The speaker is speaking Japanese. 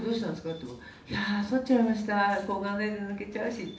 って、いやー、そっちゃいました、抗がん剤で抜けちゃうしって。